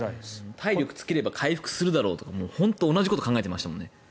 体力つければ回復するだろうとか本当、同じことを考えてましたもんね。